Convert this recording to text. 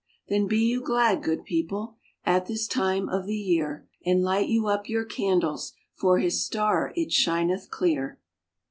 Then be you glad, good people, At this time of the year; And light you up your candles, For His star it shineth clear.